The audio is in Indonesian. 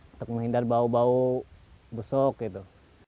untuk menghindari bau bau besok gitu